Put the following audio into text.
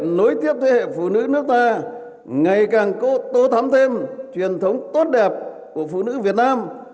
nối tiếp thế hệ phụ nữ nước ta ngày càng tô thắm thêm truyền thống tốt đẹp của phụ nữ việt nam